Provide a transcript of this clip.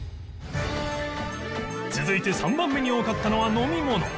続いて３番目に多かったのは飲み物